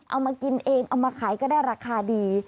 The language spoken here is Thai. เอามากินเองเอามาขายก็ได้ราคาดี